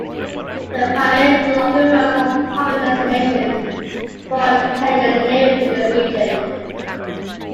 The Paria is one of the most popular destinations for canyoneering in the region.